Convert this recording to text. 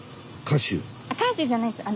歌手じゃないですよ